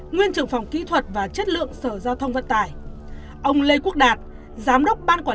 nguyên trưởng phòng kỹ thuật và chất lượng sở giao thông vận tải ông lê quốc đạt giám đốc ban quản